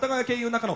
中野。